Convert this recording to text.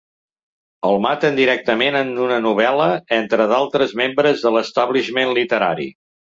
El maten directament en una novel·la, entre d'altres membres de l'establishment literari.